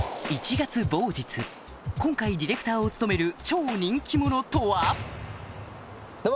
今回ディレクターを務める超人気者とはどうも！